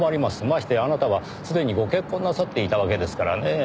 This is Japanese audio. ましてやあなたはすでにご結婚なさっていたわけですからねぇ。